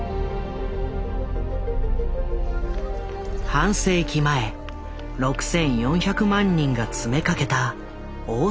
半世紀前６，４００万人が詰めかけた大阪万博。